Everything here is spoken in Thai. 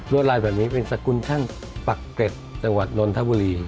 วดลายแบบนี้เป็นสกุลช่างปักเกร็ดจังหวัดนนทบุรี